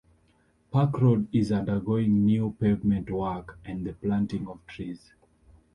Park Road is undergoing new pavement work and the planting of trees.